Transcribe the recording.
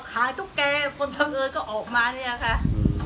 กลับมาที่สุดท้ายมีกลับมาที่สุดท้าย